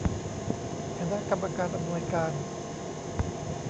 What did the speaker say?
คณะกรรมการอำนวยการ